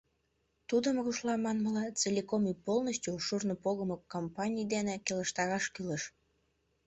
Тудым, рушла манмыла, «целиком и полностью» шурно погымо кампаний дене келыштараш кӱлеш.